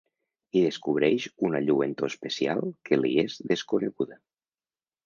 Hi descobreix una lluentor especial que li és desconeguda.